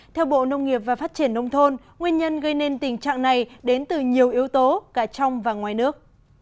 theo bộ nông nghiệp và phát triển nông thôn nguyên nhân gây nên tình trạng này đến từ nhiều yếu tố cả trong và ngoài nước